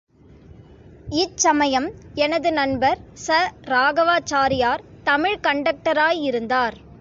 இச்சமயம் எனது நண்பர் ச. ராகவாச்சாரியார் தமிழ் கண்டக்டராயிருந்தார்.